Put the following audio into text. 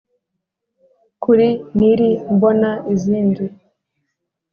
Kuri nili mbona izindi